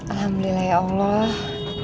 alhamdulillah ya allah